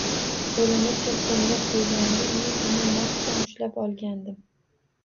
Qo‘lini chakkamga qo‘ygandi men uni mahkam ushlab olgandim